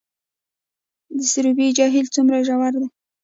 د سروبي جهیل څومره ژور دی؟